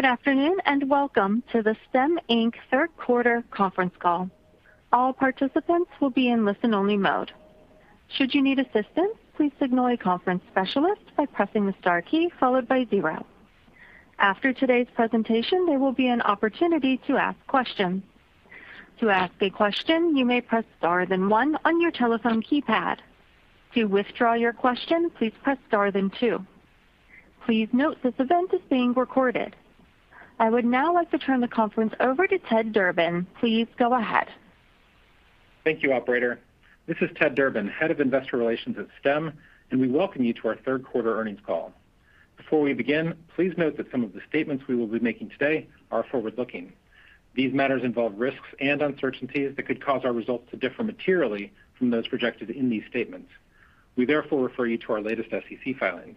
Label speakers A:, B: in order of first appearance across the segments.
A: Good afternoon, and welcome to the Stem, Inc. Q3 conference call. All participants will be in listen-only mode. Should you need assistance, please signal a conference specialist by pressing the star key followed by zero. After today's presentation, there will be an opportunity to ask questions. To ask a question, you may press star then one on your telephone keypad. To withdraw your question, please press star then two. Please note this event is being recorded. I would now like to turn the conference over to Ted Durbin. Please go ahead.
B: Thank you, operator. This is Ted Durbin, Head of Investor Relations at Stem, and we welcome you to our Q3 earnings call. Before we begin, please note that some of the statements we will be making today are forward-looking. These matters involve risks and uncertainties that could cause our results to differ materially from those projected in these statements. We therefore refer you to our latest SEC filings.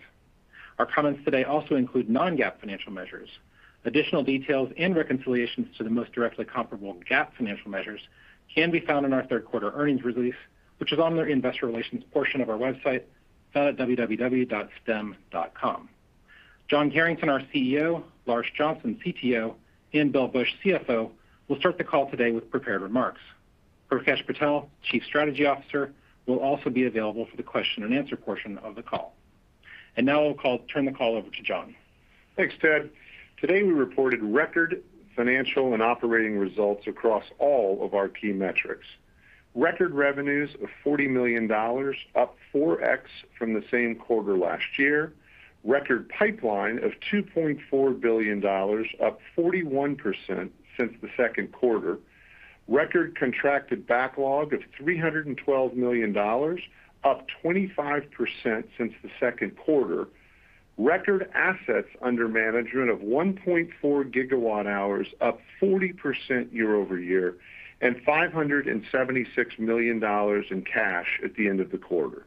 B: Our comments today also include non-GAAP financial measures. Additional details and reconciliations to the most directly comparable GAAP financial measures can be found in our Q3 earnings release, which is on the investor relations portion of our website found at www.stem.com. John Carrington, our CEO, Larsh Johnson, CTO, and Bill Bush, CFO, will start the call today with prepared remarks. Prakesh Patel, Chief Strategy Officer, will also be available for the question and answer portion of the call. Now I'll turn the call over to John.
C: Thanks, Ted. Today, we reported record financial and operating results across all of our key metrics. Record revenues of $40 million, up 4x from the same quarter last year. Record pipeline of $2.4 billion, up 41% since the Q2. Record contracted backlog of $312 million, up 25% since the Q2. Record assets under management of 1.4 GWh, up 40% year-over-year, and $576 million in cash at the end of the quarter.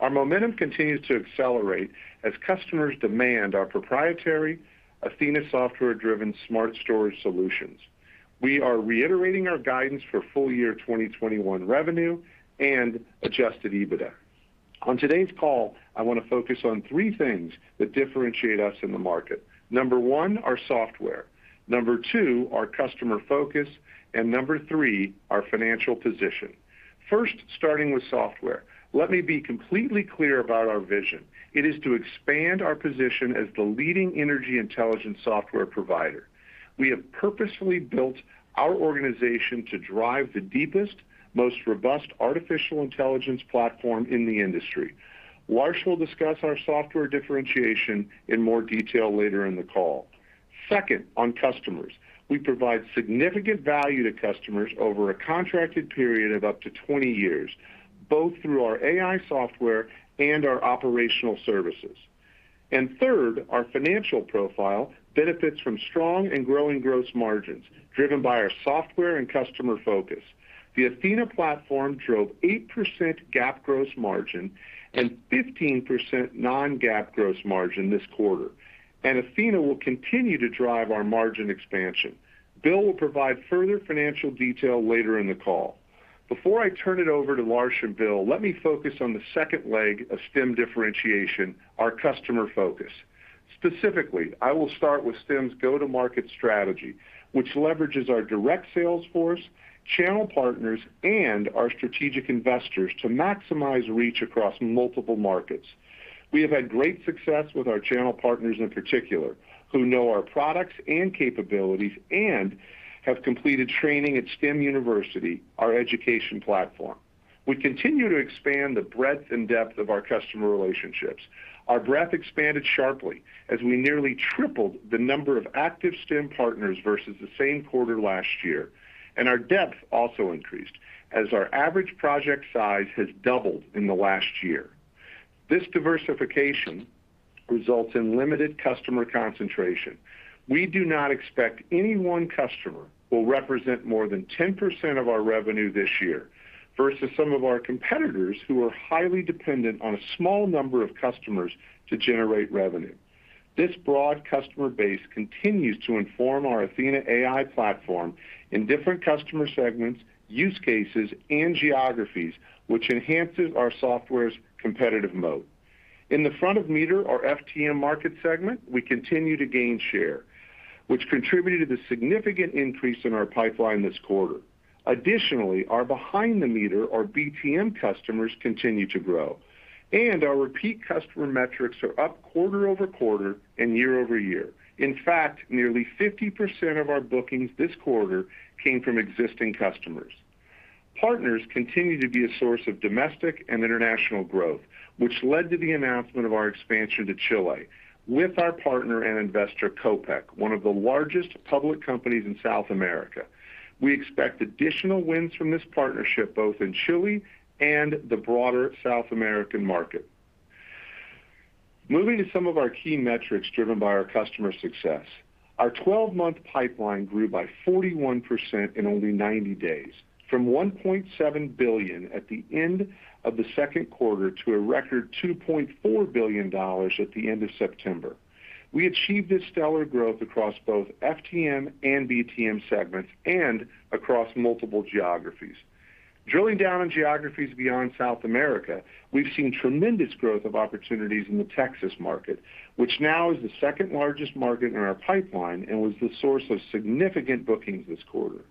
C: Our momentum continues to accelerate as customers demand our proprietary Athena software-driven smart storage solutions. We are reiterating our guidance for full-year 2021 revenue and adjusted EBITDA. On today's call, I wanna focus on three things that differentiate us in the market. Number one, our software. Number two, our customer focus. Number three, our financial position. First, starting with software. Let me be completely clear about our vision. It is to expand our position as the leading energy intelligence software provider. We have purposefully built our organization to drive the deepest, most robust artificial intelligence platform in the industry. Larsh will discuss our software differentiation in more detail later in the call. Second, on customers. We provide significant value to customers over a contracted period of up to 20 years, both through our AI software and our operational services. Third, our financial profile benefits from strong and growing gross margins, driven by our software and customer focus. The Athena platform drove 8% GAAP gross margin and 15% non-GAAP gross margin this quarter, and Athena will continue to drive our margin expansion. Bill will provide further financial detail later in the call. Before I turn it over to Larsh and Bill, let me focus on the second leg of Stem differentiation, our customer focus. Specifically, I will start with Stem's go-to-market strategy, which leverages our direct sales force, channel partners, and our strategic investors to maximize reach across multiple markets. We have had great success with our channel partners in particular, who know our products and capabilities and have completed training at Stem University, our education platform. We continue to expand the breadth and depth of our customer relationships. Our breadth expanded sharply as we nearly tripled the number of active Stem partners versus the same quarter last year, and our depth also increased as our average project size has doubled in the last year. This diversification results in limited customer concentration. We do not expect any one customer will represent more than 10% of our revenue this year, versus some of our competitors who are highly dependent on a small number of customers to generate revenue. This broad customer base continues to inform our Athena AI platform in different customer segments, use cases, and geographies, which enhances our software's competitive moat. In the front of meter or FTM market segment, we continue to gain share, which contributed to the significant increase in our pipeline this quarter. Additionally, our behind the meter or BTM customers continue to grow, and our repeat customer metrics are up quarter-over-quarter and year-over-year. In fact, nearly 50% of our bookings this quarter came from existing customers. Partners continue to be a source of domestic and international growth, which led to the announcement of our expansion to Chile with our partner and investor, Copec, one of the largest public companies in South America. We expect additional wins from this partnership, both in Chile and the broader South American market. Moving to some of our key metrics driven by our customer success. Our 12-month pipeline grew by 41% in only 90 days from $1.7 billion at the end of the Q2 to a record $2.4 billion at the end of September. We achieved this stellar growth across both FTM and BTM segments and across multiple geographies. Drilling down on geographies beyond South America, we've seen tremendous growth of opportunities in the Texas market, which now is the second-largest market in our pipeline and was the source of significant bookings this quarter.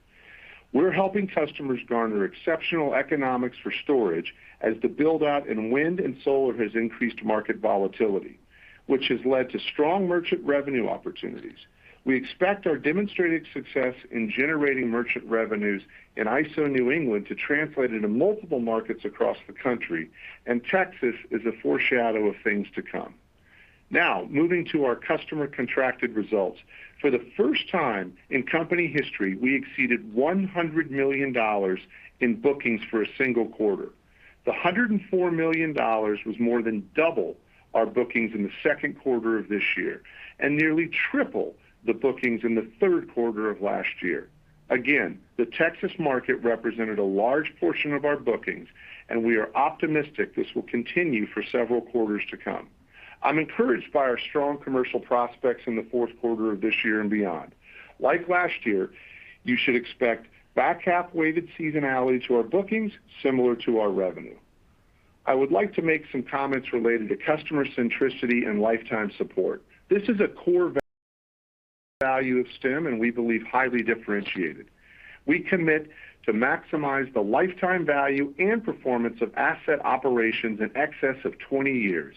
C: We're helping customers garner exceptional economics for storage as the build-out in wind and solar has increased market volatility, which has led to strong merchant revenue opportunities. We expect our demonstrated success in generating merchant revenues in ISO New England to translate into multiple markets across the country, and Texas is a foreshadowing of things to come. Now, moving to our customer contracted results. For the first time in company history, we exceeded $100 million in bookings for a single quarter. The $104 million was more than double our bookings in the Q2 of this year, and nearly triple the bookings in the Q3 of last year. Again, the Texas market represented a large portion of our bookings, and we are optimistic this will continue for several quarters to come. I'm encouraged by our strong commercial prospects in the Q4 of this year and beyond. Like last year, you should expect back half weighted seasonality to our bookings similar to our revenue. I would like to make some comments related to customer centricity and lifetime support. This is a core value of Stem and we believe highly differentiated. We commit to maximize the lifetime value and performance of asset operations in excess of 20 years.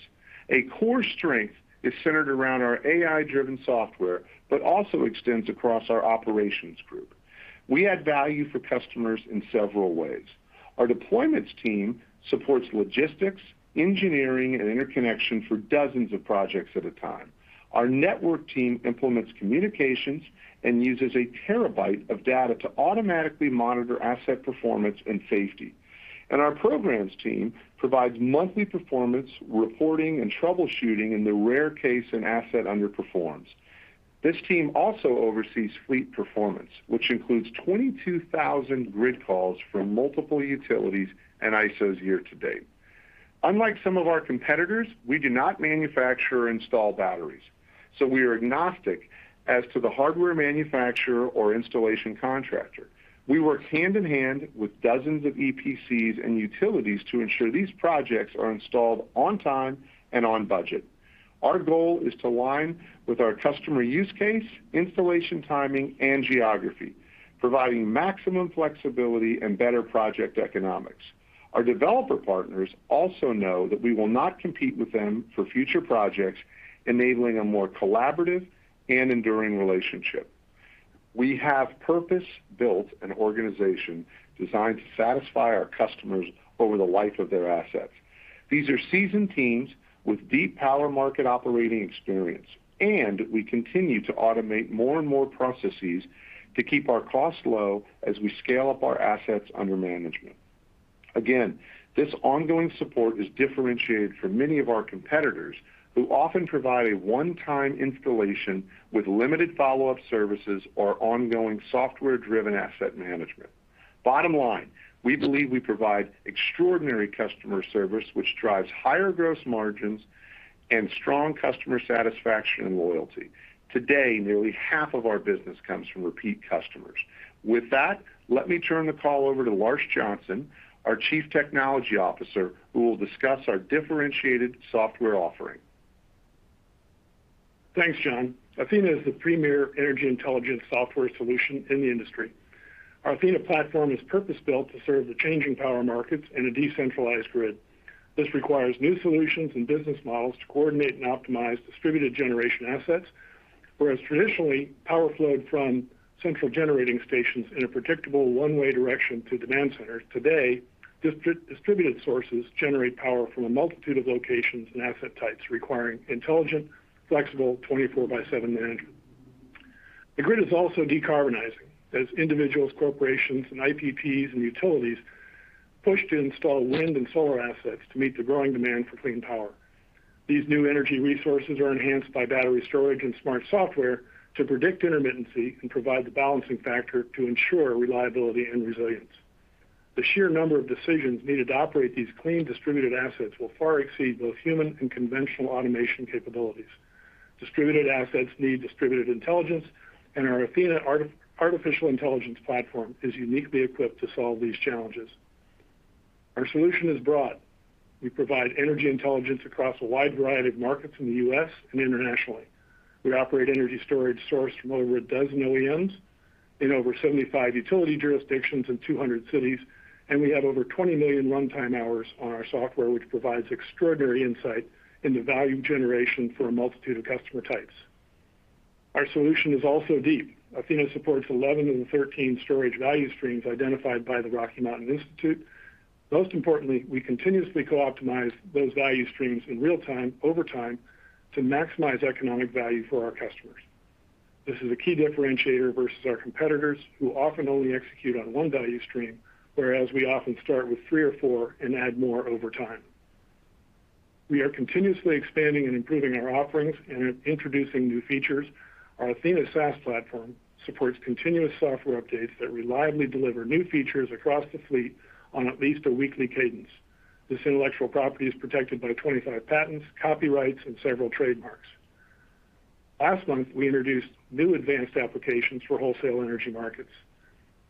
C: A core strength is centered around our AI-driven software, but also extends across our operations group. We add value for customers in several ways. Our deployments team supports logistics, engineering, and interconnection for dozens of projects at a time. Our network team implements communications and uses a terabyte of data to automatically monitor asset performance and safety. Our programs team provides monthly performance, reporting, and troubleshooting in the rare case an asset underperforms. This team also oversees fleet performance, which includes 22,000 grid calls from multiple utilities and ISOs year to date. Unlike some of our competitors, we do not manufacture or install batteries, so we are agnostic as to the hardware manufacturer or installation contractor. We work hand-in-hand with dozens of EPCs and utilities to ensure these projects are installed on time and on budget. Our goal is to align with our customer use case, installation timing, and geography, providing maximum flexibility and better project economics. Our developer partners also know that we will not compete with them for future projects, enabling a more collaborative and enduring relationship. We have purpose-built an organization designed to satisfy our customers over the life of their assets. These are seasoned teams with deep power market operating experience, and we continue to automate more and more processes to keep our costs low as we scale up our assets under management. Again, this ongoing support is differentiated from many of our competitors who often provide a one-time installation with limited follow-up services or ongoing software-driven asset management. Bottom line, we believe we provide extraordinary customer service, which drives higher gross margins and strong customer satisfaction and loyalty. Today, nearly half of our business comes from repeat customers. With that, let me turn the call over to Larsh Johnson, our Chief Technology Officer, who will discuss our differentiated software offering.
D: Thanks, John. Athena is the premier energy intelligence software solution in the industry. Our Athena platform is purpose-built to serve the changing power markets in a decentralized grid. This requires new solutions and business models to coordinate and optimize distributed generation assets. Whereas traditionally, power flowed from central generating stations in a predictable one-way direction to demand centers. Today, distributed sources generate power from a multitude of locations and asset types, requiring intelligent, flexible, 24/7 management. The grid is also decarbonizing as individuals, corporations, and IPPs and utilities push to install wind and solar assets to meet the growing demand for clean power. These new energy resources are enhanced by battery storage and smart software to predict intermittency and provide the balancing factor to ensure reliability and resilience. The sheer number of decisions needed to operate these clean distributed assets will far exceed both human and conventional automation capabilities. Distributed assets need distributed intelligence, and our Athena artificial intelligence platform is uniquely equipped to solve these challenges. Our solution is broad. We provide energy intelligence across a wide variety of markets in the U.S. and internationally. We operate energy storage sourced from over 12 millions in over 75 utility jurisdictions and 200 cities, and we have over 20 million runtime hours on our software, which provides extraordinary insight into value generation for a multitude of customer types. Our solution is also deep. Athena supports 11 of the 13 storage value streams identified by the Rocky Mountain Institute. Most importantly, we continuously co-optimize those value streams in real time over time to maximize economic value for our customers. This is a key differentiator versus our competitors who often only execute on one value stream, whereas we often start with three or four and add more over time. We are continuously expanding and improving our offerings and introducing new features. Our Athena SaaS platform supports continuous software updates that reliably deliver new features across the fleet on at least a weekly cadence. This intellectual property is protected by 25 patents, copyrights, and several trademarks. Last month, we introduced new advanced applications for wholesale energy markets.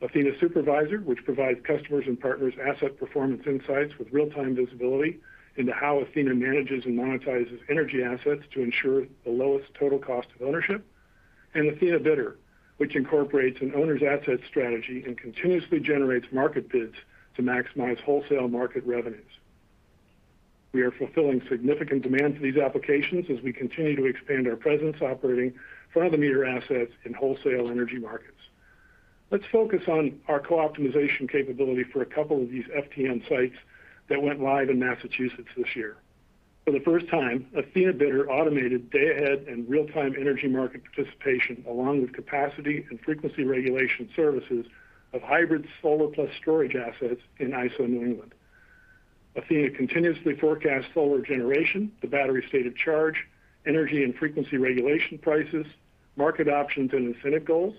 D: Athena Supervisor, which provides customers and partners asset performance insights with real-time visibility into how Athena manages and monetizes energy assets to ensure the lowest total cost of ownership. Athena Bidder, which incorporates an owner's asset strategy and continuously generates market bids to maximize wholesale market revenues. We are fulfilling significant demand for these applications as we continue to expand our presence operating behind-the-meter assets in wholesale energy markets. Let's focus on our co-optimization capability for a couple of these FTM sites that went live in Massachusetts this year. For the first time, Athena Bidder automated day-ahead and real-time energy market participation, along with capacity and frequency regulation services of hybrid solar plus storage assets in ISO New England. Athena continuously forecasts solar generation, the battery state of charge, energy and frequency regulation prices, market options, and incentive goals.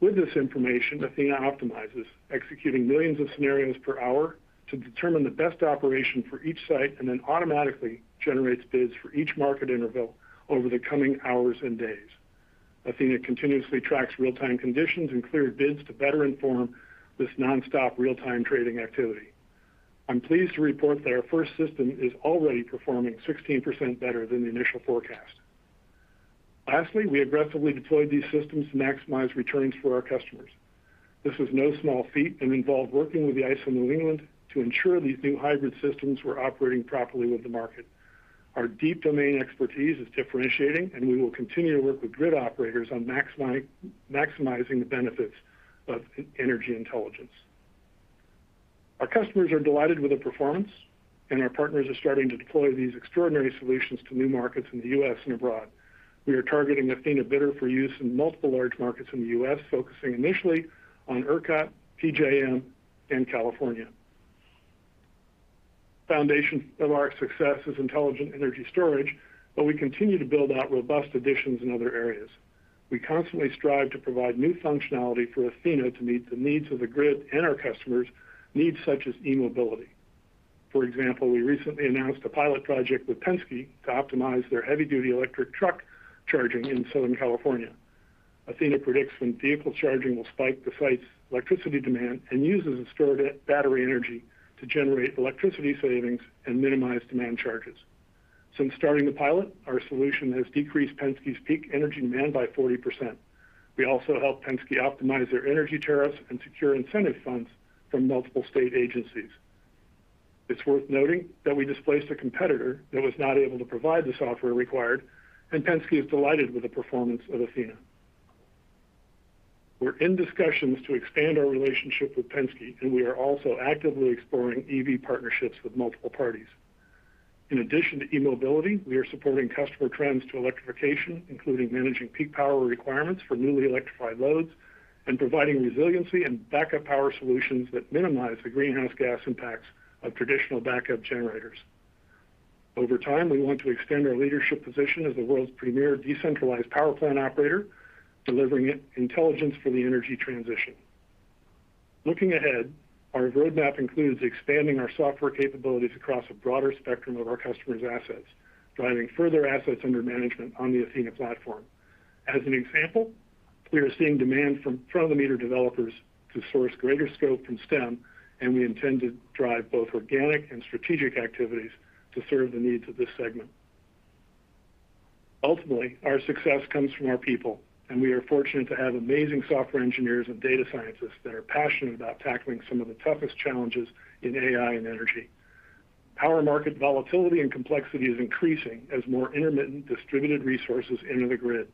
D: With this information, Athena optimizes, executing millions of scenarios per hour to determine the best operation for each site, and then automatically generates bids for each market interval over the coming hours and days. Athena continuously tracks real-time conditions and cleared bids to better inform this nonstop real-time trading activity. I'm pleased to report that our first system is already performing 16% better than the initial forecast. Lastly, we aggressively deployed these systems to maximize returns for our customers. This is no small feat and involved working with the ISO New England to ensure these new hybrid systems were operating properly with the market. Our deep domain expertise is differentiating, and we will continue to work with grid operators on maximizing the benefits of energy intelligence. Our customers are delighted with the performance, and our partners are starting to deploy these extraordinary solutions to new markets in the U.S. and abroad. We are targeting Athena Bidder for use in multiple large markets in the U.S., focusing initially on ERCOT, PJM, and California. The foundation of our success is intelligent energy storage, but we continue to build out robust additions in other areas. We constantly strive to provide new functionality for Athena to meet the needs of the grid and our customers' needs, such as e-mobility. For example, we recently announced a pilot project with Penske to optimize their heavy-duty electric truck charging in Southern California. Athena predicts when vehicle charging will spike the site's electricity demand and uses the stored battery energy to generate electricity savings and minimize demand charges. Since starting the pilot, our solution has decreased Penske's peak energy demand by 40%. We also helped Penske optimize their energy tariffs and secure incentive funds from multiple state agencies. It's worth noting that we displaced a competitor that was not able to provide the software required, and Penske is delighted with the performance of Athena. We're in discussions to expand our relationship with Penske, and we are also actively exploring EV partnerships with multiple parties. In addition to e-mobility, we are supporting customer trends to electrification, including managing peak power requirements for newly electrified loads, and providing resiliency and backup power solutions that minimize the greenhouse gas impacts of traditional backup generators. Over time, we want to extend our leadership position as the world's premier decentralized power plant operator, delivering intelligence for the energy transition. Looking ahead, our roadmap includes expanding our software capabilities across a broader spectrum of our customers' assets, driving further assets under management on the Athena platform. As an example, we are seeing demand from front-of-the-meter developers to source greater scope from Stem, and we intend to drive both organic and strategic activities to serve the needs of this segment. Ultimately, our success comes from our people, and we are fortunate to have amazing software engineers and data scientists that are passionate about tackling some of the toughest challenges in AI and energy. Power market volatility and complexity is increasing as more intermittent distributed resources enter the grid.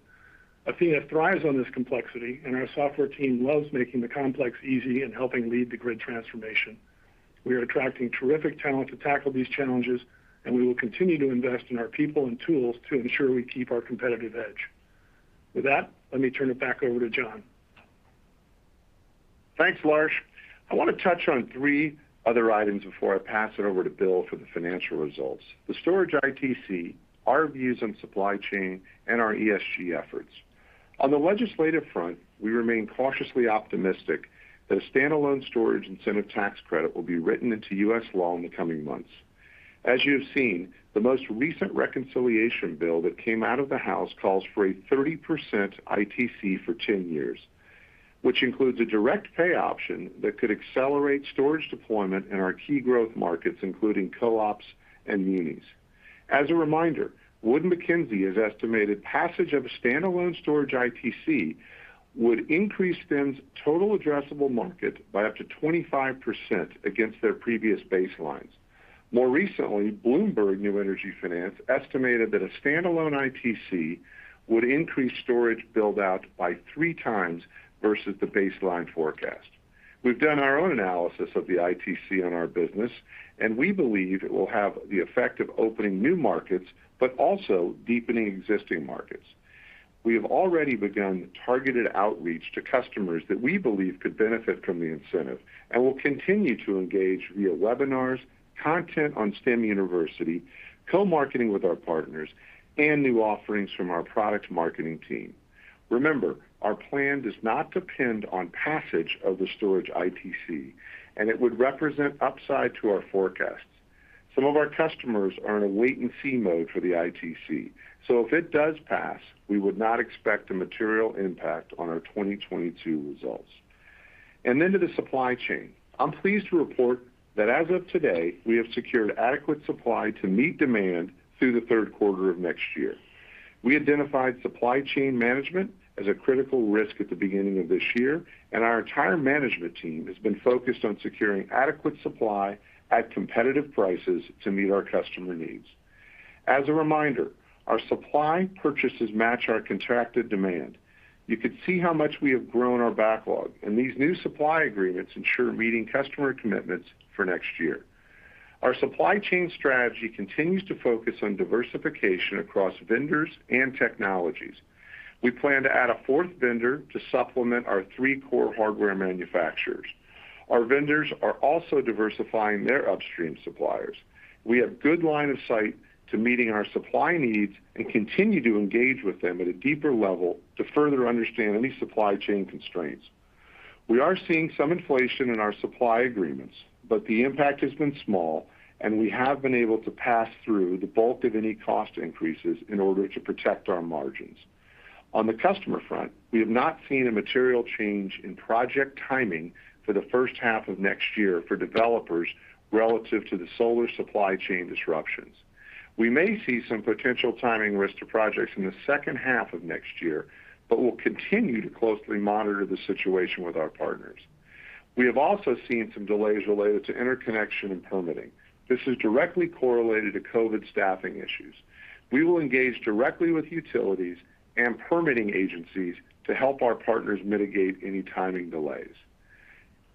D: Athena thrives on this complexity, and our software team loves making the complex easy and helping lead the grid transformation. We are attracting terrific talent to tackle these challenges, and we will continue to invest in our people and tools to ensure we keep our competitive edge. With that, let me turn it back over to John.
C: Thanks, Larsh. I want to touch on three other items before I pass it over to Bill for the financial results. The storage ITC, our views on supply chain, and our ESG efforts. On the legislative front, we remain cautiously optimistic that a standalone storage incentive tax credit will be written into U.S. law in the coming months. As you have seen, the most recent reconciliation bill that came out of the House calls for a 30% ITC for 10 years, which includes a direct pay option that could accelerate storage deployment in our key growth markets, including co-ops and munis. As a reminder, Wood Mackenzie has estimated passage of a standalone storage ITC would increase Stem's total addressable market by up to 25% against their previous baselines. More recently, Bloomberg New Energy Finance estimated that a standalone ITC would increase storage build-out by three times versus the baseline forecast. We've done our own analysis of the ITC on our business, and we believe it will have the effect of opening new markets, but also deepening existing markets. We have already begun targeted outreach to customers that we believe could benefit from the incentive and will continue to engage via webinars, content on Stem University, co-marketing with our partners, and new offerings from our product marketing team. Remember, our plan does not depend on passage of the storage ITC, and it would represent upside to our forecasts. Some of our customers are in a wait-and-see mode for the ITC. If it does pass, we would not expect a material impact on our 2022 results. To the supply chain. I'm pleased to report that as of today, we have secured adequate supply to meet demand through the Q3 of next year. We identified supply chain management as a critical risk at the beginning of this year, and our entire management team has been focused on securing adequate supply at competitive prices to meet our customer needs. As a reminder, our supply purchases match our contracted demand. You could see how much we have grown our backlog, and these new supply agreements ensure meeting customer commitments for next year. Our supply chain strategy continues to focus on diversification across vendors and technologies. We plan to add a fourth vendor to supplement our three core hardware manufacturers. Our vendors are also diversifying their upstream suppliers. We have good line of sight to meeting our supply needs and continue to engage with them at a deeper level to further understand any supply chain constraints. We are seeing some inflation in our supply agreements, but the impact has been small, and we have been able to pass through the bulk of any cost increases in order to protect our margins. On the customer front, we have not seen a material change in project timing for the first half of next year for developers relative to the solar supply chain disruptions. We may see some potential timing risk to projects in the second half of next year, but we'll continue to closely monitor the situation with our partners. We have also seen some delays related to interconnection and permitting. This is directly correlated to COVID staffing issues. We will engage directly with utilities and permitting agencies to help our partners mitigate any timing delays.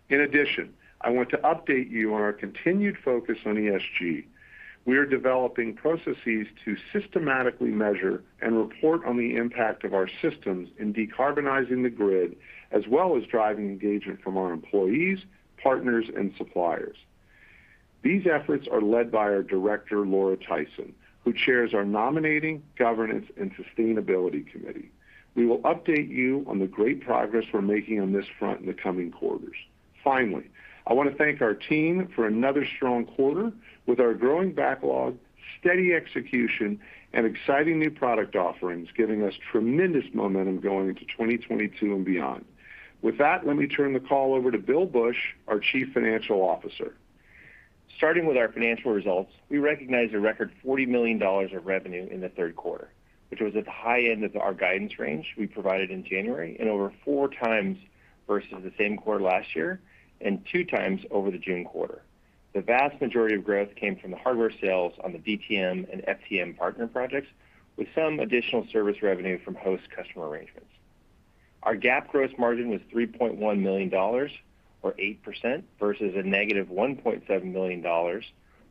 C: In addition, I want to update you on our continued focus on ESG. We are developing processes to systematically measure and report on the impact of our systems in decarbonizing the grid, as well as driving engagement from our employees, partners, and suppliers. These efforts are led by our director, Laura Tyson, who chairs our Nominating, Governance, and Sustainability Committee. We will update you on the great progress we're making on this front in the coming quarters. Finally, I want to thank our team for another strong quarter with our growing backlog, steady execution, and exciting new product offerings giving us tremendous momentum going into 2022 and beyond. With that, let me turn the call over to Bill Bush, our Chief Financial Officer.
E: Starting with our financial results, we recognized a record $40 million of revenue in the Q3, which was at the high end of our guidance range we provided in January and over four times versus the same quarter last year and two times over the June quarter. The vast majority of growth came from the hardware sales on the BTM and FTM partner projects, with some additional service revenue from host customer arrangements. Our GAAP gross margin was $3.1 million or 8% versus a negative $1.7 million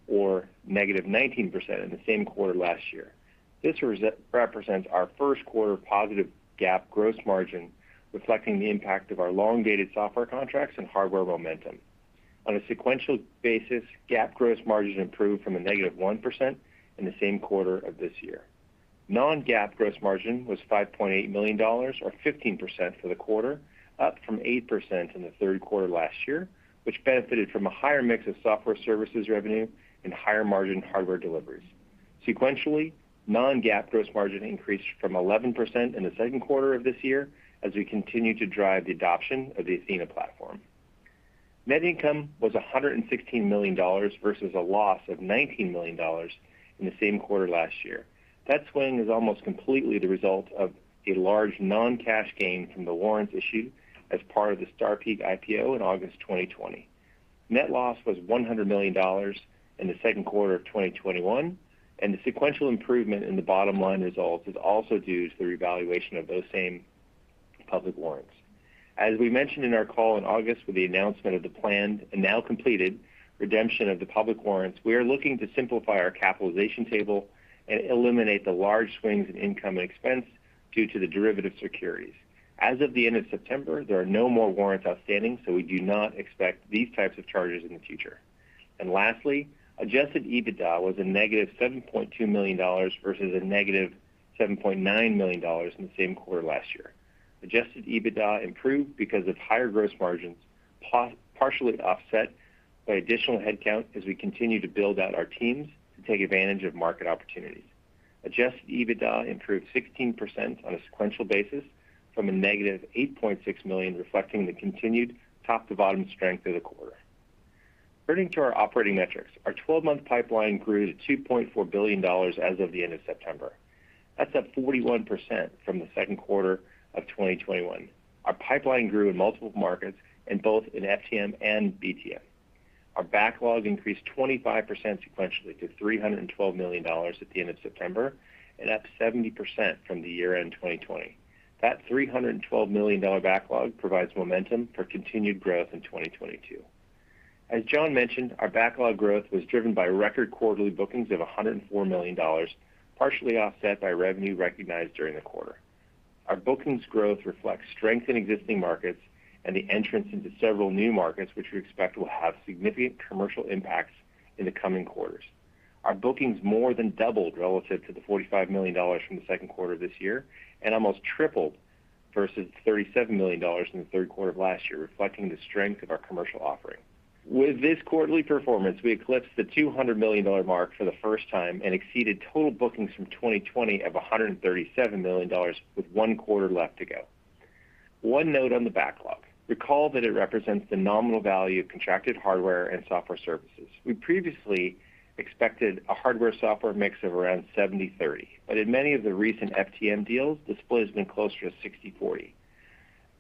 E: or -19% in the same quarter last year. This represents our Q1 positive GAAP gross margin, reflecting the impact of our long-dated software contracts and hardware momentum. On a sequential basis, GAAP gross margin improved from a -1% in the same quarter of this year. Non-GAAP gross margin was $5.8 million or 15% for the quarter, up from 8% in the Q3 last year, which benefited from a higher mix of software services revenue and higher-margin hardware deliveries. Sequentially, non-GAAP gross margin increased from 11% in the Q2 of this year as we continue to drive the adoption of the Athena platform. Net income was $116 million versus a loss of $19 million in the same quarter last year. That swing is almost completely the result of a large non-cash gain from the warrants issued as part of the Star Peak IPO in August 2020. Net loss was $100 million in the Q2 of 2021, and the sequential improvement in the bottom line results is also due to the revaluation of those same public warrants. As we mentioned in our call in August with the announcement of the planned and now completed redemption of the public warrants, we are looking to simplify our capitalization table and eliminate the large swings in income and expense due to the derivative securities. As of the end of September, there are no more warrants outstanding, so we do not expect these types of charges in the future. Lastly, adjusted EBITDA was a negative $7.2 million versus a negative $7.9 million in the same quarter last year. Adjusted EBITDA improved because of higher gross margins, partially offset by additional headcount as we continue to build out our teams to take advantage of market opportunities. Adjusted EBITDA improved 16% on a sequential basis from a negative $8.6 million, reflecting the continued top-to-bottom strength of the quarter. Turning to our operating metrics, our 12-month pipeline grew to $2.4 billion as of the end of September. That's up 41% from the Q2 of 2021. Our pipeline grew in multiple markets and both in FTM and BTM. Our backlog increased 25% sequentially to $312 million at the end of September and up 70% from the year-end 2020. That $312 million backlog provides momentum for continued growth in 2022. As John mentioned, our backlog growth was driven by record quarterly bookings of $104 million, partially offset by revenue recognized during the quarter. Our bookings growth reflects strength in existing markets and the entrance into several new markets, which we expect will have significant commercial impacts in the coming quarters. Our bookings more than doubled relative to the $45 million from the Q2 this year and almost tripled versus $37 million in the Q3 of last year, reflecting the strength of our commercial offering. With this quarterly performance, we eclipsed the $200 million mark for the first time and exceeded total bookings from 2020 of $137 million with one quarter left to go. One note on the backlog. Recall that it represents the nominal value of contracted hardware and software services. We previously expected a hardware software mix of around 70/30, but in many of the recent FTM deals, the split has been closer to 60/40.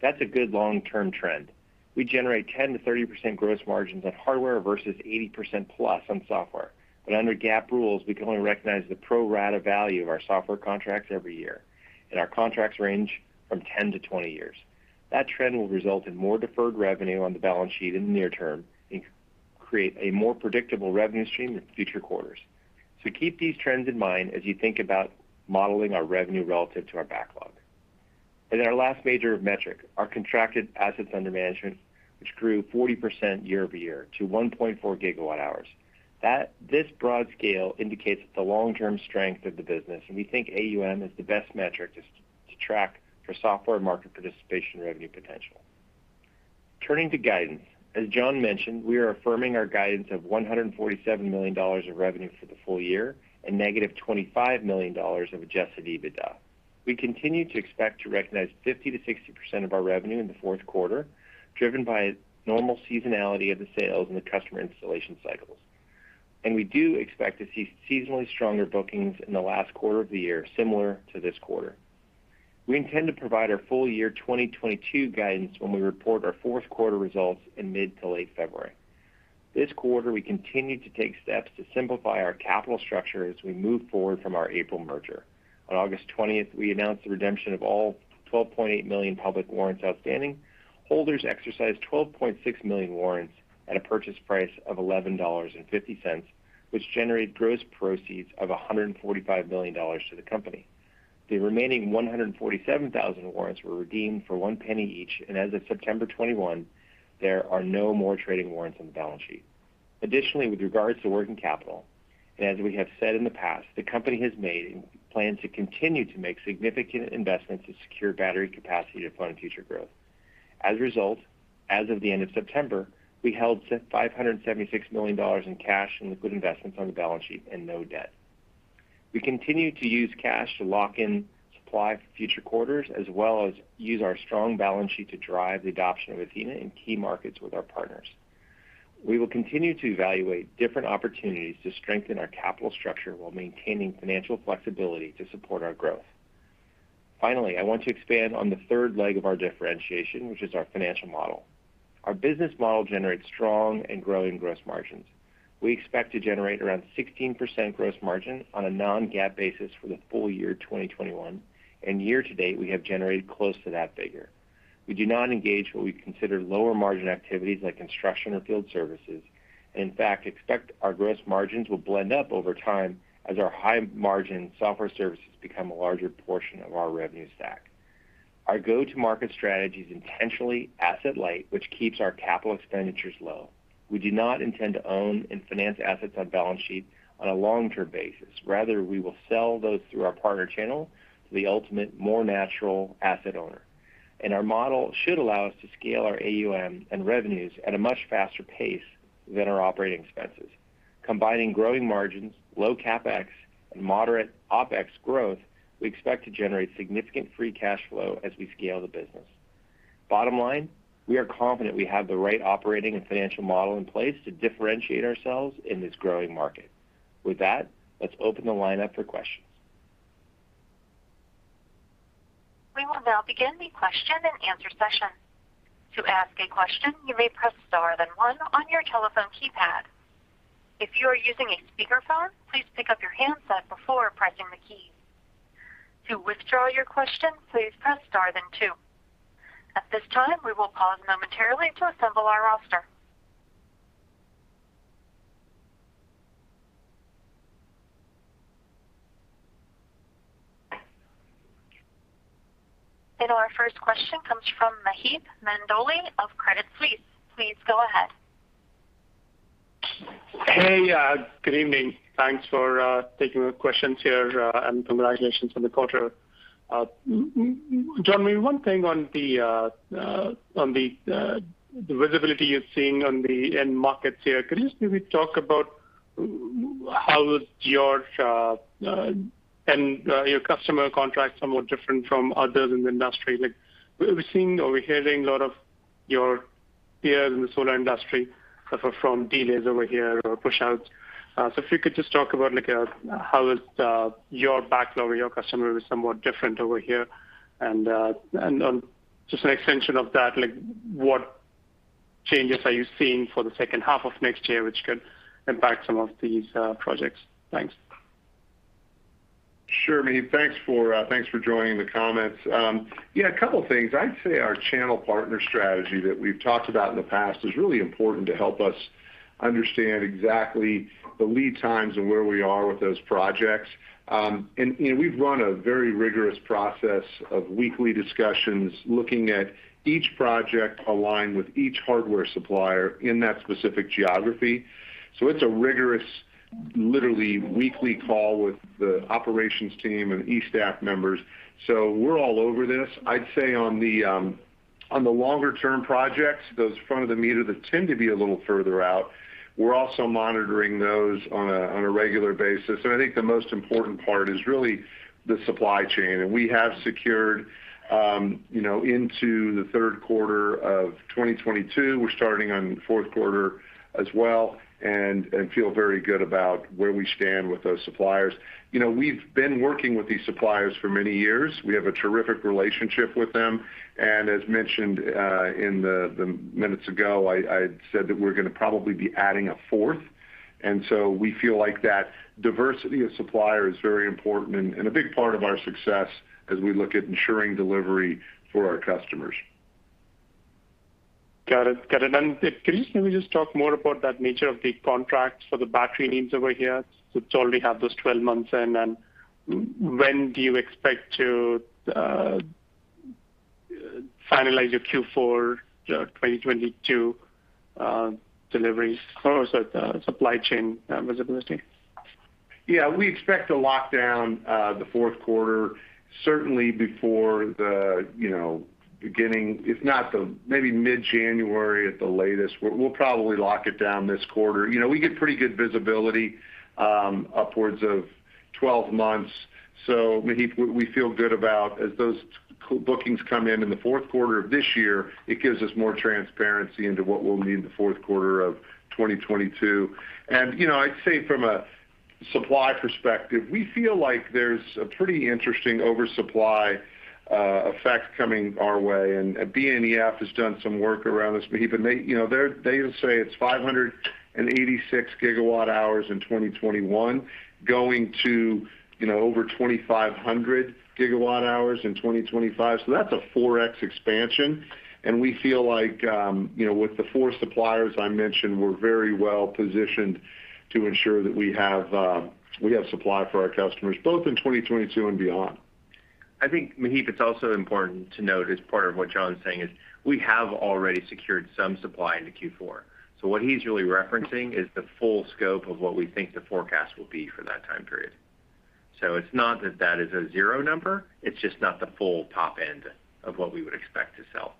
E: That's a good long-term trend. We generate 10%-30% gross margins on hardware versus 80%+ on software. Under GAAP rules, we can only recognize the pro rata value of our software contracts every year, and our contracts range from 10-20 years. That trend will result in more deferred revenue on the balance sheet in the near term and create a more predictable revenue stream in future quarters. Keep these trends in mind as you think about modeling our revenue relative to our backlog. Our last major metric, our contracted assets under management, which grew 40% year-over-year to 1.4 GWh. This broad scale indicates the long-term strength of the business, and we think AUM is the best metric to track for software market participation revenue potential. Turning to guidance. As John mentioned, we are affirming our guidance of $147 million of revenue for the full year and negative $25 million of adjusted EBITDA. We continue to expect to recognize 50%-60% of our revenue in the Q4, driven by normal seasonality of the sales and the customer installation cycles. We do expect to see seasonally stronger bookings in the last quarter of the year, similar to this quarter. We intend to provide our full year 2022 guidance when we report our Q4 results in mid to late February. This quarter, we continued to take steps to simplify our capital structure as we move forward from our April merger. On August 20, we announced the redemption of all 12.8 million public warrants outstanding. Holders exercised 12.6 million warrants at a purchase price of $11.50, which generated gross proceeds of $145 million to the company. The remaining 147,000 warrants were redeemed for $0.01 each, and as of September 21, there are no more trading warrants on the balance sheet. Additionally, with regards to working capital, and as we have said in the past, the company has made and plans to continue to make significant investments to secure battery capacity to fund future growth. As a result, as of the end of September, we held $576 million in cash and liquid investments on the balance sheet and no debt. We continue to use cash to lock in supply for future quarters, as well as use our strong balance sheet to drive the adoption of Athena in key markets with our partners. We will continue to evaluate different opportunities to strengthen our capital structure while maintaining financial flexibility to support our growth. Finally, I want to expand on the third leg of our differentiation, which is our financial model. Our business model generates strong and growing gross margins. We expect to generate around 16% gross margin on a non-GAAP basis for the full year 2021. Year to date, we have generated close to that figure. We do not engage what we consider lower margin activities like construction or field services, and in fact, expect our gross margins will blend up over time as our high-margin software services become a larger portion of our revenue stack. Our go-to-market strategy is intentionally asset light, which keeps our capital expenditures low. We do not intend to own and finance assets on balance sheet on a long-term basis. Rather, we will sell those through our partner channel to the ultimate more natural asset owner. Our model should allow us to scale our AUM and revenues at a much faster pace than our operating expenses. Combining growing margins, low CapEx, and moderate OpEx growth, we expect to generate significant free cash flow as we scale the business. Bottom line, we are confident we have the right operating and financial model in place to differentiate ourselves in this growing market. With that, let's open the line up for questions.
A: We will now begin the question and answer session. To ask a question, you may press star then one on your telephone keypad. If you are using a speakerphone, please pick up your handset before pressing the key. To withdraw your question, please press star then two. At this time, we will pause momentarily to assemble our roster. Our first question comes from Maheep Mandloi of Credit Suisse. Please go ahead.
F: Hey, good evening. Thanks for taking the questions here, and congratulations on the quarter. John, maybe one thing on the visibility you're seeing on the end markets here. Could you just maybe talk about how your customer contracts are somewhat different from others in the industry? Like, we're seeing or we're hearing a lot of your peers in the solar industry suffer from delays over here or pushouts. If you could just talk about like how your backlog or your customers are somewhat different over here? On just an extension of that, like what changes are you seeing for the second half of next year which could impact some of these projects? Thanks.
C: Sure, Maheep. Thanks for joining the comments. Yeah, a couple of things. I'd say our channel partner strategy that we've talked about in the past is really important to help us understand exactly the lead times and where we are with those projects. You know, we've run a very rigorous process of weekly discussions looking at each project aligned with each hardware supplier in that specific geography. It's a rigorous Literally weekly call with the operations team and E-staff members. We're all over this. I'd say on the longer-term projects, those front of the meter that tend to be a little further out, we're also monitoring those on a regular basis. I think the most important part is really the supply chain. We have secured, you know, into the Q3 of 2022. We're starting on Q4 as well and feel very good about where we stand with those suppliers. You know, we've been working with these suppliers for many years. We have a terrific relationship with them. As mentioned minutes ago, I had said that we're gonna probably be adding a fourth. We feel like that diversity of supplier is very important and a big part of our success as we look at ensuring delivery for our customers.
F: Got it. Could you maybe just talk more about that nature of the contracts for the battery needs over here to already have those 12 months in? When do you expect to finalize your Q4 2022 deliveries or sorry, the supply chain visibility?
C: We expect to lock down the Q4 certainly before the beginning if not maybe mid-January at the latest. We'll probably lock it down this quarter. You know, we get pretty good visibility upwards of 12 months. Maheep, we feel good about as those bookings come in in the Q4 of this year, it gives us more transparency into what we'll need in the Q4 of 2022. You know, I'd say from a supply perspective, we feel like there's a pretty interesting oversupply effect coming our way. BNEF has done some work around this, Maheep. They say it's 586 GW-hours in 2021 going to over 2,500 GW-hours in 2025. That's a 4x expansion. We feel like, you know, with the four suppliers I mentioned, we're very well positioned to ensure that we have supply for our customers both in 2022 and beyond.
G: I think, Maheep, it's also important to note as part of what John's saying is we have already secured some supply into Q4. What he's really referencing is the full scope of what we think the forecast will be for that time period. It's not that that is a zero number. It's just not the full top end of what we would expect to sell.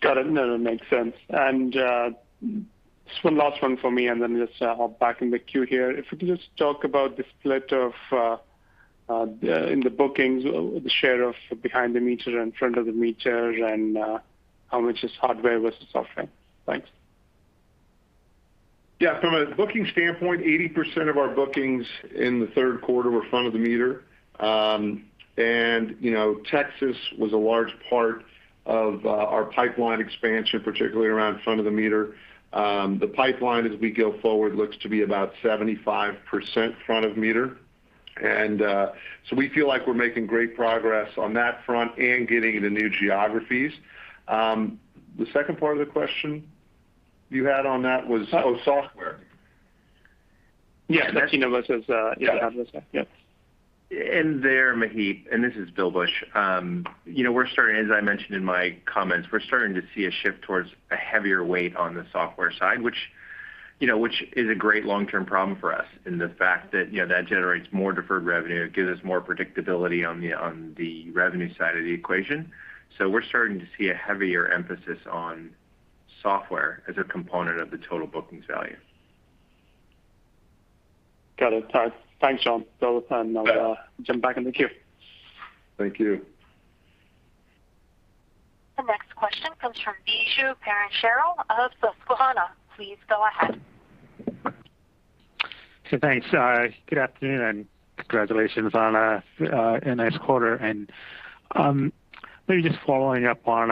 F: Got it. No, that makes sense. Just one last one for me, and then just hop back in the queue here. If you could just talk about the split of, in the bookings, the share of behind the meter and front of the meter and, how much is hardware versus software. Thanks.
C: Yeah. From a booking standpoint, 80% of our bookings in the Q3 were front-of-the-meter. You know, Texas was a large part of our pipeline expansion, particularly around front-of-the-meter. The pipeline as we go forward looks to be about 75% front-of-the-meter. We feel like we're making great progress on that front and getting into new geographies. The second part of the question you had on that was, oh, software.
F: Yeah. 13 of us is, yeah.
E: There, Maheep, and this is Bill Bush. You know, as I mentioned in my comments, we're starting to see a shift towards a heavier weight on the software side, which, you know, is a great long-term problem for us. The fact that, you know, that generates more deferred revenue, it gives us more predictability on the revenue side of the equation. We're starting to see a heavier emphasis on software as a component of the total bookings value.
F: Got it. All right. Thanks, John, Bill. I'll jump back in the queue.
C: Thank you.
A: The next question comes from Biju Perincheril of Susquehanna. Please go ahead.
H: Thanks. Good afternoon and congratulations on a nice quarter. Maybe just following up on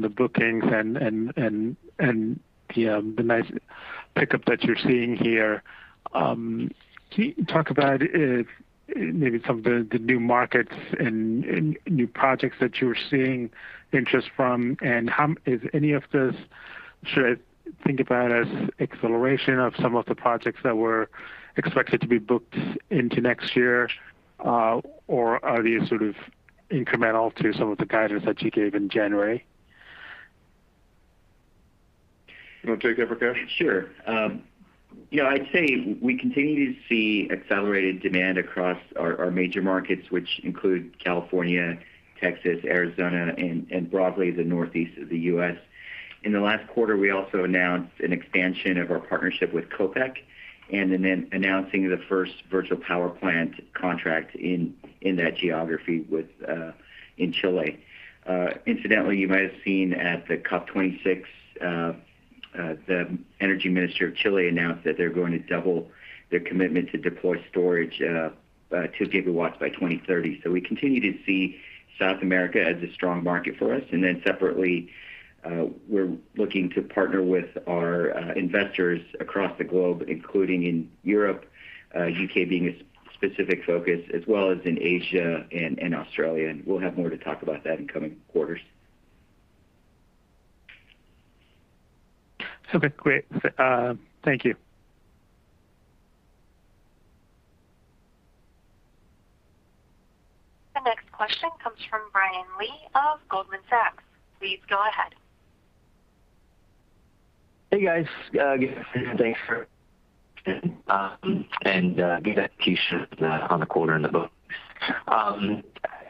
H: the bookings and the nice pickup that you're seeing here. Can you talk about if maybe some of the new markets and new projects that you are seeing interest from and how should I think about any of this as acceleration of some of the projects that were expected to be booked into next year? Or are these sort of incremental to some of the guidance that you gave in January?
C: You want to take that, Prakesh?
G: Sure. You know, I'd say we continue to see accelerated demand across our major markets, which include California, Texas, Arizona, and broadly the Northeast of the U.S. In the last quarter, we also announced an expansion of our partnership with Copec and then announcing the first virtual power plant contract in that geography in Chile. Incidentally, you might have seen at the COP26, the energy minister of Chile announced that they're going to double their commitment to deploy storage, 2 GW by 2030. We continue to see South America as a strong market for us. Separately, we're looking to partner with our investors across the globe, including in Europe, U.K. being a specific focus as well as in Asia and in Australia. We'll have more to talk about that in coming quarters.
H: Okay, great. Thank you.
A: The next question comes from Brian Lee of Goldman Sachs. Please go ahead.
I: Hey, guys. Thanks for good execution on the quarter and the book. I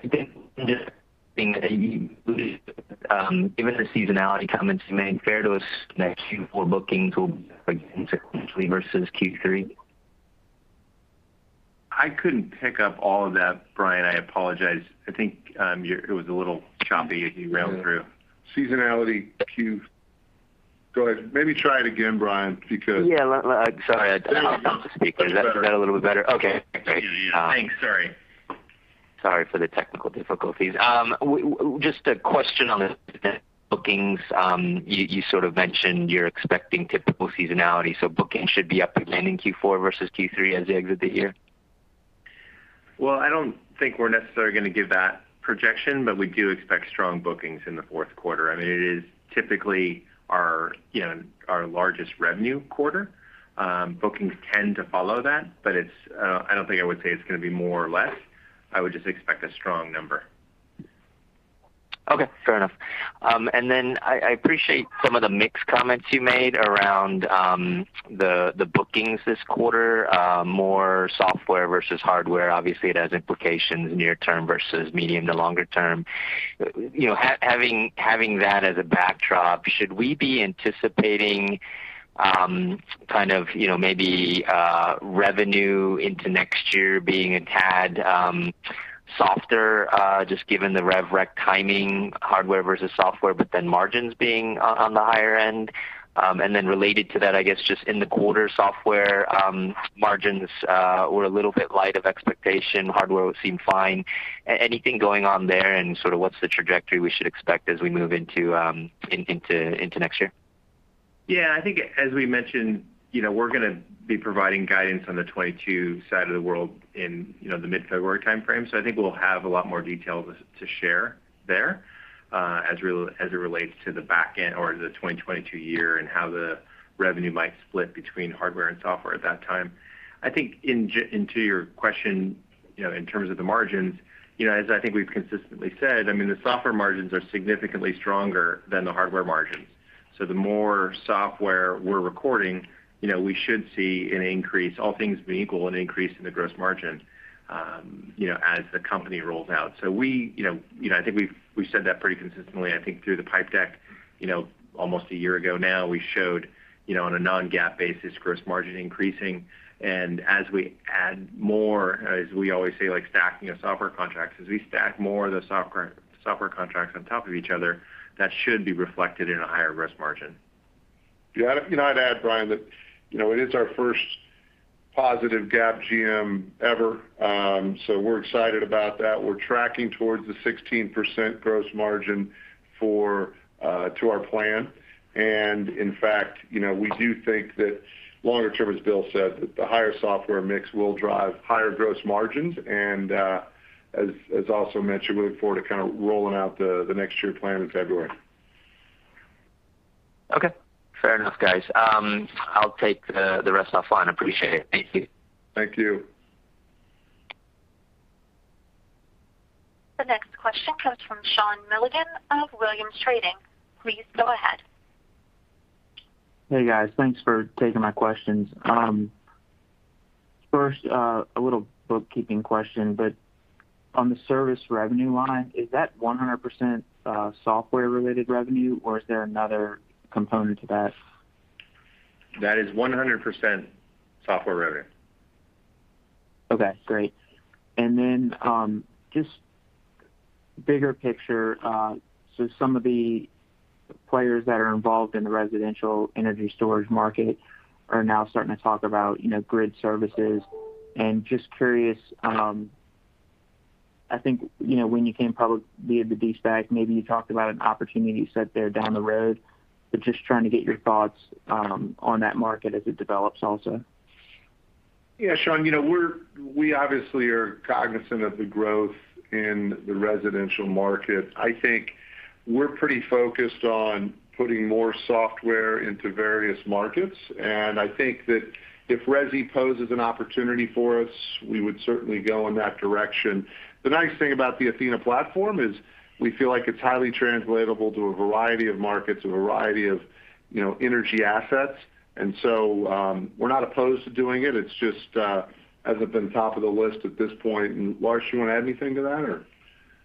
I: think, given the seasonality comments you made, it's fair to assume that Q4 bookings will be up again sequentially versus Q3?
E: I couldn't pick up all of that, Brian. I apologize. I think, it was a little choppy as you ran through.
C: Yeah. Go ahead. Maybe try it again, Brian, because
I: Yeah. Sorry, I'll talk to the speaker.
C: There you go. Much better.
I: Is that a little bit better? Okay, great.
C: Yeah. Thanks. Sorry.
I: Sorry for the technical difficulties. Just a question on the bookings. You sort of mentioned you're expecting typical seasonality, so bookings should be up again in Q4 versus Q3 as you exit the year?
E: Well, I don't think we're necessarily gonna give that projection, but we do expect strong bookings in the Q4. I mean, it is typically our, you know, our largest revenue quarter. Bookings tend to follow that, but it's, I don't think I would say it's gonna be more or less. I would just expect a strong number.
I: Okay. Fair enough. I appreciate some of the mix comments you made around the bookings this quarter, more software versus hardware. Obviously, it has implications near term versus medium to longer term. You know, having that as a backdrop, should we be anticipating kind of, you know, maybe revenue into next year being a tad softer, just given the rev rec timing, hardware versus software, but then margins being on the higher end? Related to that, I guess just in the quarter software margins were a little bit light of expectation. Hardware seemed fine. Anything going on there and sort of what's the trajectory we should expect as we move into next year?
E: I think as we mentioned, you know, we're gonna be providing guidance on the 2022 side of things in, you know, the mid-February timeframe. I think we'll have a lot more details to share there as it relates to the back half of the 2022 year and how the revenue might split between hardware and software at that time. I think going into your question, you know, in terms of the margins, you know, as I think we've consistently said, I mean, the software margins are significantly stronger than the hardware margins. The more software we're recording, you know, we should see an increase in the gross margin, all things being equal, as the company rolls out. You know, I think we've said that pretty consistently. I think through the slide deck, you know, almost a year ago now, we showed, you know, on a non-GAAP basis, gross margin increasing. As we add more, as we always say, like stacking of software contracts, as we stack more of the software contracts on top of each other, that should be reflected in a higher gross margin.
C: Yeah. You know, I'd add, Brian, that, you know, it is our first positive GAAP GM ever, so we're excited about that. We're tracking towards the 16% gross margin to our plan. In fact, you know, we do think that longer term, as Bill said, that the higher software mix will drive higher gross margins. As also mentioned, we look forward to kinda rolling out the next year plan in February.
I: Okay. Fair enough, guys. I'll take the rest offline. Appreciate it. Thank you.
C: Thank you.
A: The next question comes from Sean Milligan of Williams Trading. Please go ahead.
J: Hey, guys. Thanks for taking my questions. First, a little bookkeeping question, but on the service revenue line, is that 100% software-related revenue, or is there another component to that?
E: That is 100% software revenue.
J: Okay, great. Just bigger picture, so some of the players that are involved in the residential energy storage market are now starting to talk about, you know, grid services. Just curious, I think, you know, when you came publicly as a De-SPAC, maybe you talked about an opportunity set there down the road, but just trying to get your thoughts on that market as it develops also.
C: Yeah, Sean, you know, we obviously are cognizant of the growth in the residential market. I think we're pretty focused on putting more software into various markets, and I think that if resi poses an opportunity for us, we would certainly go in that direction. The nice thing about the Athena platform is we feel like it's highly translatable to a variety of markets, you know, energy assets. We're not opposed to doing it. It's just, hasn't been top of the list at this point. Larsh, you wanna add anything to that or?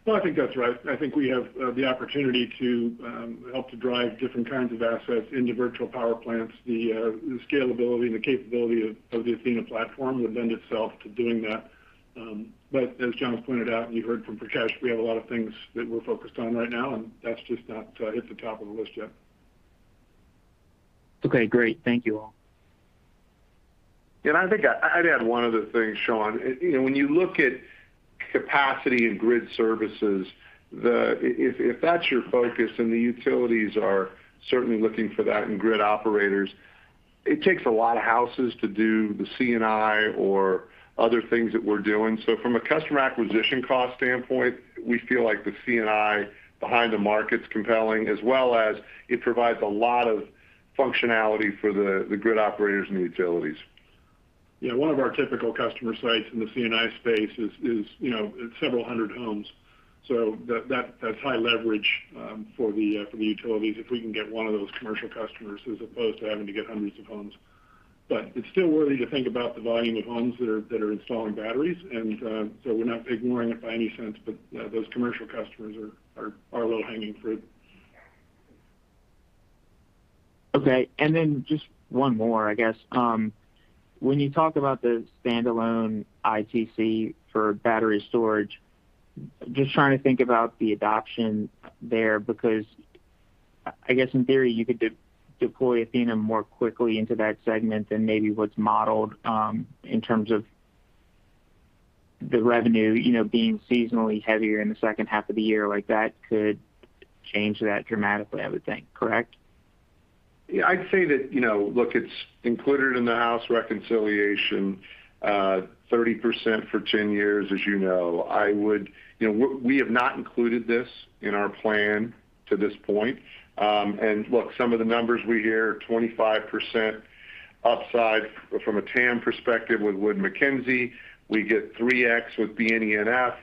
D: No, I think that's right. I think we have the opportunity to help to drive different kinds of assets into virtual power plants. The scalability and the capability of the Athena platform would lend itself to doing that. But as John has pointed out and you heard from Prakesh, we have a lot of things that we're focused on right now, and that's just not hit the top of the list yet.
J: Okay, great. Thank you all.
C: I think I'd add one other thing, Sean. You know, when you look at capacity and grid services, if that's your focus and the utilities are certainly looking for that in grid operators, it takes a lot of houses to do the C&I or other things that we're doing. So from a customer acquisition cost standpoint, we feel like the C&I behind the meter is compelling, as well as it provides a lot of functionality for the grid operators and the utilities. Yeah, one of our typical customer sites in the C&I space is you know, several hundred homes. So that's high leverage for the utilities if we can get one of those commercial customers as opposed to having to get hundreds of homes. But it's still worthy to think about the volume of homes that are installing batteries. We're not ignoring it by any means, but those commercial customers are low-hanging fruit.
J: Okay. Just one more, I guess. When you talk about the standalone ITC for battery storage, just trying to think about the adoption there, because I guess in theory, you could deploy Athena more quickly into that segment than maybe what's modeled, in terms of the revenue, you know, being seasonally heavier in the second half of the year. Like that could change that dramatically, I would think. Correct?
C: Yeah. I'd say that, you know, look, it's included in the House reconciliation, 30% for ten years, as you know. I would. You know, we have not included this in our plan to this point. And look, some of the numbers we hear, 25% upside from a TAM perspective with Wood Mackenzie. We get 3x with BNEF.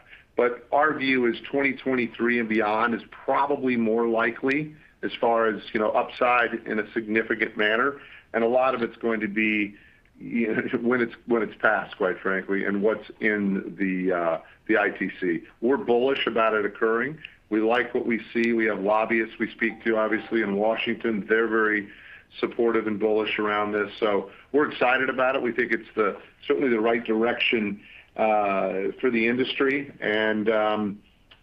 C: Our view is 2023 and beyond is probably more likely as far as, you know, upside in a significant manner. A lot of it's going to be, you know, when it's, when it's passed, quite frankly, and what's in the ITC. We're bullish about it occurring. We like what we see. We have lobbyists we speak to, obviously, in Washington. They're very supportive and bullish around this. We're excited about it. We think it's certainly the right direction, for the industry.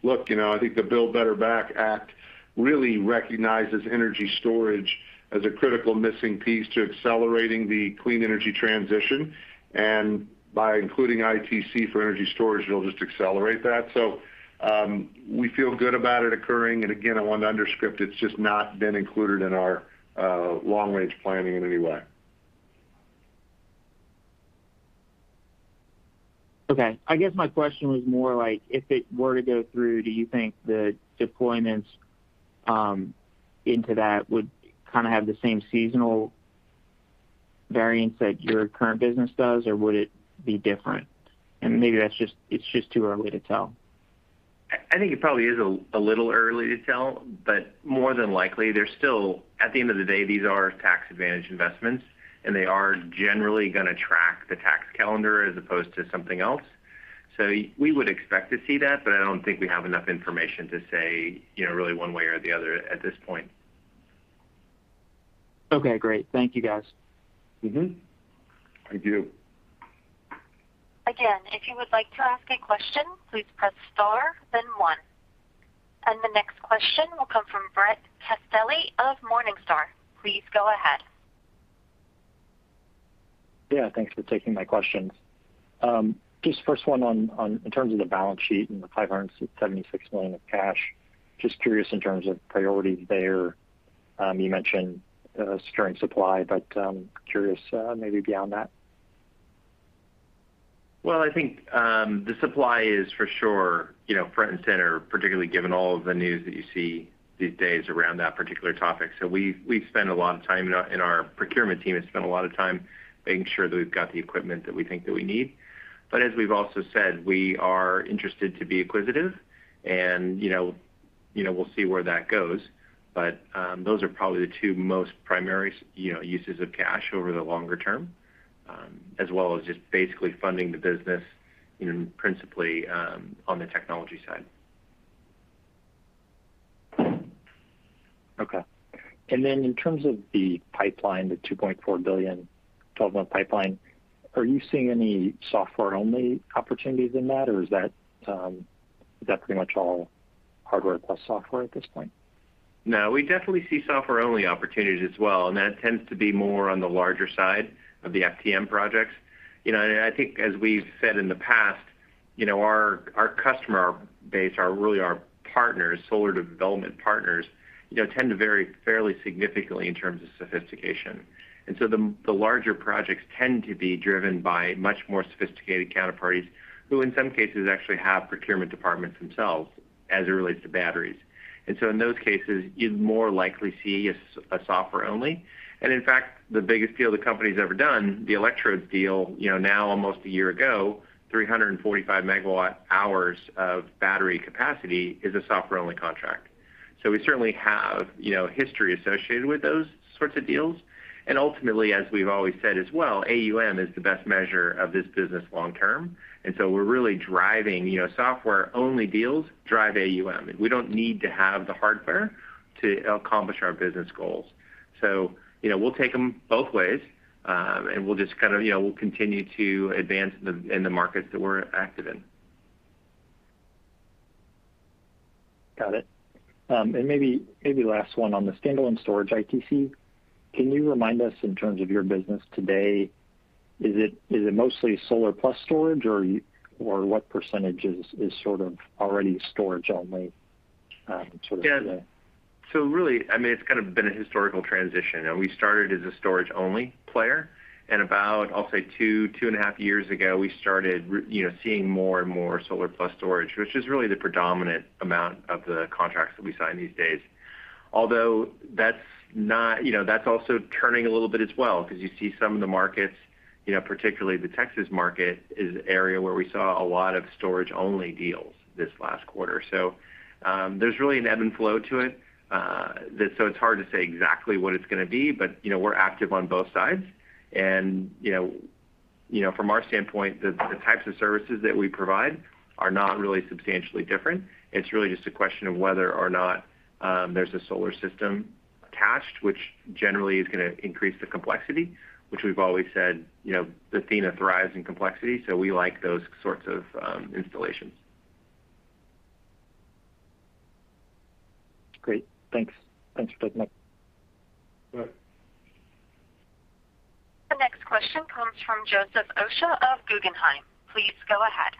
C: look, you know, I think the Build Back Better Act really recognizes energy storage as a critical missing piece to accelerating the clean energy transition. By including ITC for energy storage, it'll just accelerate that. We feel good about it occurring. Again, I want to underscore, it's just not been included in our long-range planning in any way.
J: Okay. I guess my question was more like if it were to go through, do you think the deployments into that would kind of have the same seasonal variance that your current business does, or would it be different? Maybe that's just too early to tell.
E: I think it probably is a little early to tell, but more than likely, they're still at the end of the day, these are tax-advantaged investments, and they are generally gonna track the tax calendar as opposed to something else. We would expect to see that, but I don't think we have enough information to say, you know, really one way or the other at this point.
J: Okay, great. Thank you, guys.
C: Thank you.
A: The next question will come from Brett Castelli of Morningstar. Please go ahead.
K: Yeah, thanks for taking my questions. Just first one on in terms of the balance sheet and the $576 million of cash. Just curious in terms of priorities there. You mentioned securing supply, but curious, maybe beyond that.
E: Well, I think the supply is for sure, you know, front and center, particularly given all of the news that you see these days around that particular topic. We spend a lot of time, and our procurement team has spent a lot of time making sure that we've got the equipment that we think that we need. As we've also said, we are interested to be acquisitive and, you know, we'll see where that goes. Those are probably the two most primary uses of cash over the longer term, as well as just basically funding the business and principally on the technology side.
K: In terms of the pipeline, the $2.4 billion 12-month pipeline, are you seeing any software-only opportunities in that, or is that pretty much all hardware plus software at this point?
E: No, we definitely see software-only opportunities as well, and that tends to be more on the larger side of the FTM projects. You know, I think as we've said in the past, you know, our customer base are really our partners, solar development partners, you know, tend to vary fairly significantly in terms of sophistication. The larger projects tend to be driven by much more sophisticated counterparties, who in some cases actually have procurement departments themselves as it relates to batteries. In those cases, you'd more likely see a software-only. In fact, the biggest deal the company's ever done, the Electrodes deal, you know, now almost a year ago, 345 MWh of battery capacity is a software-only contract. We certainly have, you know, history associated with those sorts of deals. Ultimately, as we've always said as well, AUM is the best measure of this business long term. We're really driving, you know, software-only deals drive AUM. We don't need to have the hardware to accomplish our business goals. We'll take them both ways, and we'll just kind of, you know, continue to advance in the markets that we're active in.
K: Got it. Maybe last one on the standalone storage ITC. Can you remind us in terms of your business today, is it mostly solar plus storage or what percentage is sort of already storage only, sort of today?
E: Yeah. Really, I mean, it's kind of been a historical transition. You know, we started as a storage-only player, and about, I'll say 2.5 years ago, we started you know, seeing more and more solar plus storage, which is really the predominant amount of the contracts that we sign these days. Although that's not you know, that's also turning a little bit as well because you see some of the markets, you know, particularly the Texas market is an area where we saw a lot of storage-only deals this last quarter. There's really an ebb and flow to it. It's hard to say exactly what it's gonna be, but you know, we're active on both sides. You know from our standpoint, the types of services that we provide are not really substantially different. It's really just a question of whether or not there's a solar system attached, which generally is gonna increase the complexity, which we've always said, you know, Athena thrives in complexity, so we like those sorts of installations.
K: Great. Thanks. Thanks for taking it.
D: All right.
A: The next question comes from Joseph Osha of Guggenheim. Please go ahead.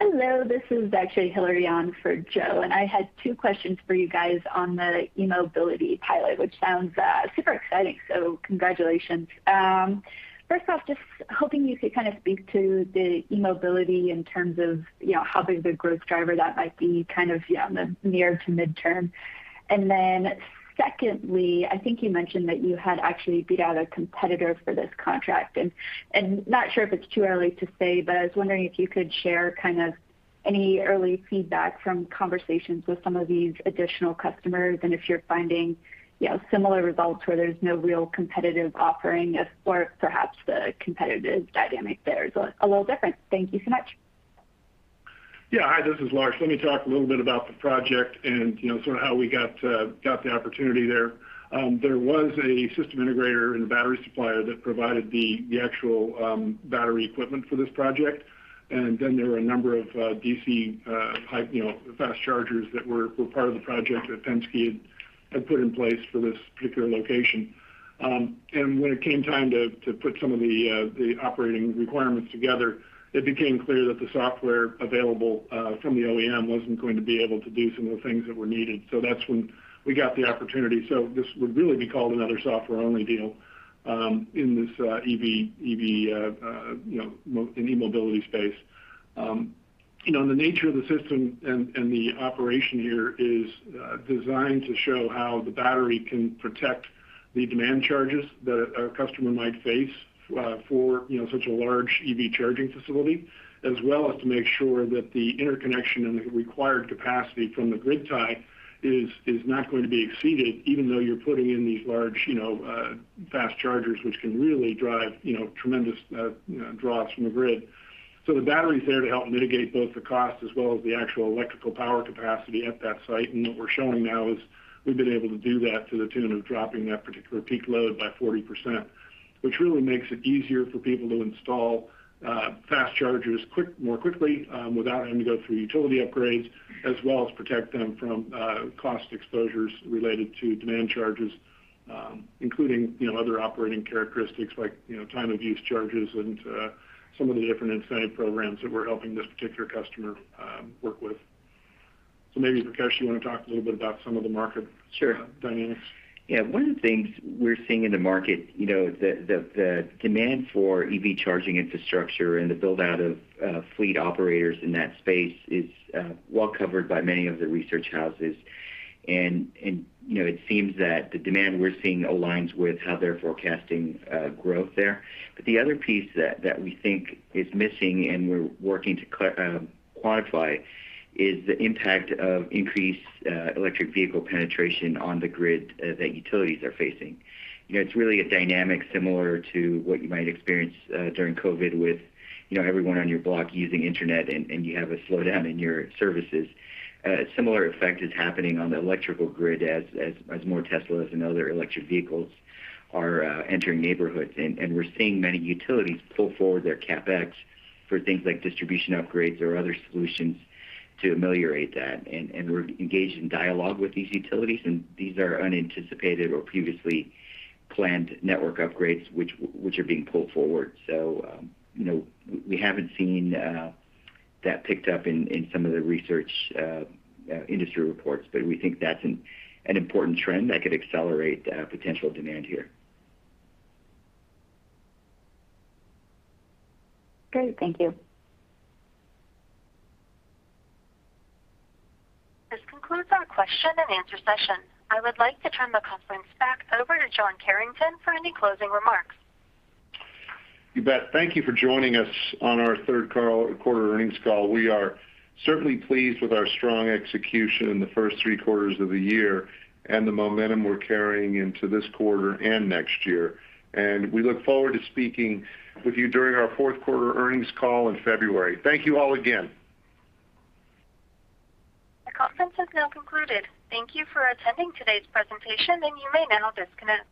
L: Hello, this is actually Hillary on for Joe, and I had two questions for you guys on the eMobility pilot, which sounds super exciting, so congratulations. First off, just hoping you could kind of speak to the eMobility in terms of, you know, how big the growth driver that might be kind of on the near to mid-term. Then secondly, I think you mentioned that you had actually beat out a competitor for this contract. Not sure if it's too early to say, but I was wondering if you could share kind of any early feedback from conversations with some of these additional customers and if you're finding, you know, similar results where there's no real competitive offering as or perhaps the competitive dynamic there is a little different. Thank you so much.
D: Yeah. Hi, this is Larsh. Let me talk a little bit about the project and, you know, sort of how we got the opportunity there. There was a system integrator and a battery supplier that provided the actual battery equipment for this project. There were a number of DC type, you know, fast chargers that were part of the project that Penske had put in place for this particular location. When it came time to put some of the the operating requirements together, it became clear that the software available from the OEM wasn't going to be able to do some of the things that were needed. That's when we got the opportunity. This would really be called another software-only deal in this EV, you know, in eMobility space. You know, the nature of the system and the operation here is designed to show how the battery can protect the demand charges that a customer might face for, you know, such a large EV charging facility, as well as to make sure that the interconnection and the required capacity from the grid tie is not going to be exceeded, even though you're putting in these large, you know, fast chargers, which can really drive, you know, tremendous, you know, draws from the grid. The battery's there to help mitigate both the cost as well as the actual electrical power capacity at that site. What we're showing now is we've been able to do that to the tune of dropping that particular peak load by 40%, which really makes it easier for people to install fast chargers more quickly, without having to go through utility upgrades, as well as protect them from cost exposures related to demand charges, including, you know, other operating characteristics like, you know, time of use charges and some of the different incentive programs that we're helping this particular customer work with. Maybe, Praksh, you want to talk a little bit about some of the market
G: Sure.
D: -dynamics?
G: Yeah. One of the things we're seeing in the market, you know, the demand for EV charging infrastructure and the build-out of fleet operators in that space is well covered by many of the research houses. You know, it seems that the demand we're seeing aligns with how they're forecasting growth there. The other piece that we think is missing and we're working to quantify is the impact of increased electric vehicle penetration on the grid that utilities are facing. You know, it's really a dynamic similar to what you might experience during COVID with, you know, everyone on your block using internet, and you have a slowdown in your services. A similar effect is happening on the electrical grid as more Teslas and other electric vehicles are entering neighborhoods. We're seeing many utilities pull forward their CapEx for things like distribution upgrades or other solutions to ameliorate that. We're engaged in dialogue with these utilities, and these are unanticipated or previously planned network upgrades which are being pulled forward. You know, we haven't seen that picked up in some of the research industry reports, but we think that's an important trend that could accelerate potential demand here.
L: Great. Thank you.
A: This concludes our question and answer session. I would like to turn the conference back over to John Carrington for any closing remarks.
C: You bet. Thank you for joining us on our Q3 earnings call. We are certainly pleased with our strong execution in the first three quarters of the year and the momentum we're carrying into this quarter and next year. We look forward to speaking with you during our Q4 earnings call in February. Thank you all again.
A: The conference has now concluded. Thank you for attending today's presentation, and you may now disconnect.